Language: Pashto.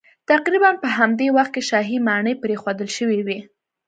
تقریبا په همدې وخت کې شاهي ماڼۍ پرېښودل شوې وې